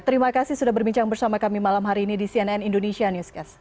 terima kasih sudah berbincang bersama kami malam hari ini di cnn indonesia newscast